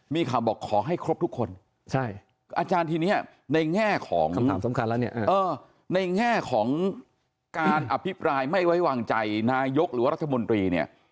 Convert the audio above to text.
มีคำบอกขอให้ครบทุกคนอาจารย์ทีนี้ในแง่ของในแง่ของการอภิปรายไม่ไว้วางใจนายกหรือว่ารัฐมนตรี